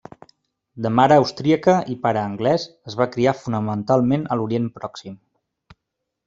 De mare austríaca i pare anglès es va criar fonamentalment a l'Orient Pròxim.